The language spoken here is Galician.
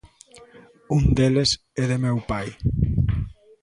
Un deles é de meu pai.